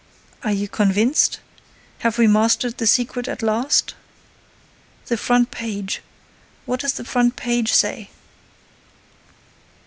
"Are you convinced? Have we mastered the secret at last?" "The front page—what does the front page say?"